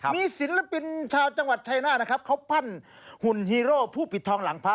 มีศิลปินชาวจังหวัดชัยนาที่พั่นหุ่นฮีโร่ผู้ปิดทองหลังพระ